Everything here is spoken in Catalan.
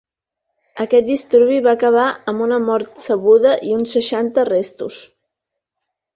Aquest disturbi va acabar amb una mort sabuda i uns seixanta arrestos.